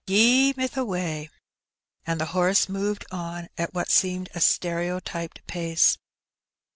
" Gee, meth a way," and the horse moved on at what seemed a stereotyped pace.